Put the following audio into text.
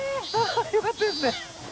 よかったですね。